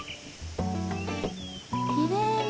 きれいね。